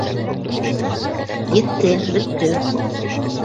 Етте, бөттө!